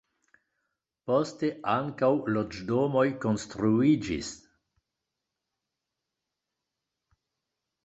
Poste ankaŭ loĝdomoj konstruiĝis.